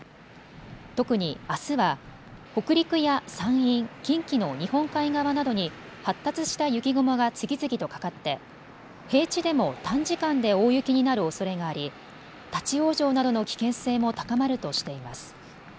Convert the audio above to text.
特にあすは北陸や山陰、近畿の日本海側などに発達した雪雲が次々とかかって平地でも短時間で大雪になるおそれがあり立往生などの危険性も高まるとしています。